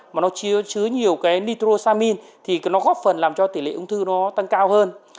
mà nó chứa nhiều nitrosamine thì nó góp phần làm cho tỷ lệ ung thư nó tăng cao hơn